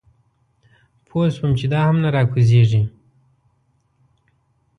پوی شوم چې دا هم نه راکوزېږي.